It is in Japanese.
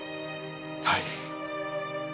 はい。